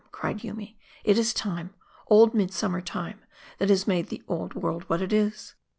cried Yoomy "it is Time, old midsummer Time, that has made the old world what it is.